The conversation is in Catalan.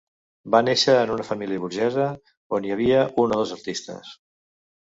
Va néixer en una família burgesa on hi havia un o dos artistes.